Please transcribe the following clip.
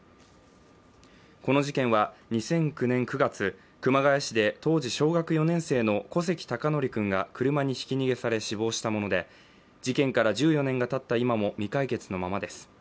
この事件は２００９年９月熊谷市で当時小学４年生の小関孝徳君が車にひき逃げされ死亡したもので事件から１４年がたった今も未解決のままです。